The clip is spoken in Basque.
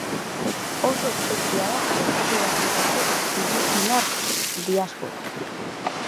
Oso ospetsua da Estatu Batuetako filipinar diasporan.